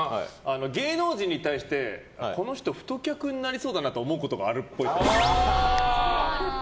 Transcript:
芸能人に対してこの人、太客になりそうだなと思うことがあるっぽい。